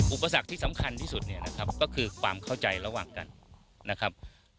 อุปสรรคที่สำคัญที่สุดก็คือความเข้าใจระหว่างกัน